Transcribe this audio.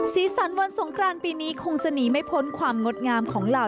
สีสันวันสงครานปีนี้คงจะหนีไม่พ้นความงดงามของเหล่า